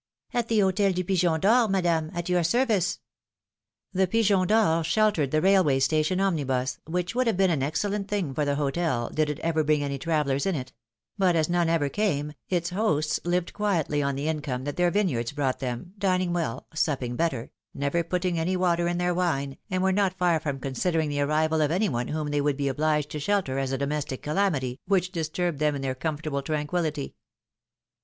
"At the hotel 'Du Pigeon d^Or,' Madame, at your service.^^ The Pigeon d'Or sheltered the railway station omnibus, which would have been an excellent thing for the hotel, did it ever bring any travellers in it; but as none ever came, its hosts lived quietly on the income that their vine yards brought them, dining well, supping better, never putting any water in their wine, and were not far from considering the arrival of any one whom they would be obliged to shelter as a domestic calamity which disturbed them in their comfortable tranquillity.